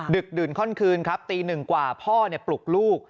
ดื่นข้อนคืนครับตีหนึ่งกว่าพ่อปลุกลูก